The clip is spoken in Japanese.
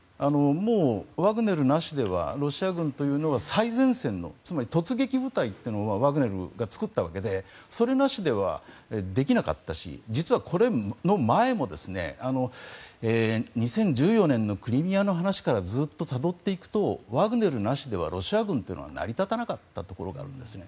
もうワグネルなしではロシア軍というのは、最前線のつまり突撃部隊というのはワグネルが作ったわけでそれなしではできなかったし実はこれの前も２０１４年のクリミアの話からずっとたどっていくとワグネルなしではロシア軍というのは成り立たなかったところがあるんですね。